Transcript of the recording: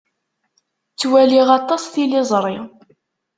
Ttwaliɣ aṭas tiliẓri.